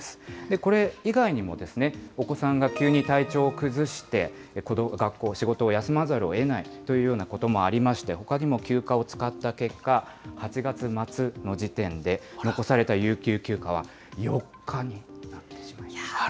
これ以外にも、お子さんが急に体調を崩して、学校、仕事を休まざるをえないということもありまして、ほかにも休暇を使った結果、８月末の時点で残された有給休暇は４日になってしま